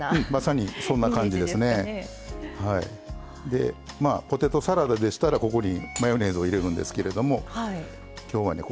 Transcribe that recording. でまあポテトサラダでしたらここにマヨネーズを入れるんですけれども今日はね